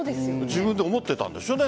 自分で思っていたんですよね